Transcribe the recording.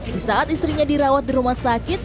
di saat istrinya dirawat di rumah sakit